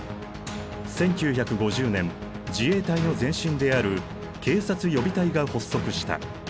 １９５０年自衛隊の前身である警察予備隊が発足した。